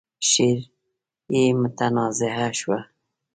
شعر يې متنازعه شو.